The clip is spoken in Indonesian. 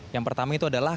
yang pertama itu adalah